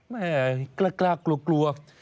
แม่กล้ากลัว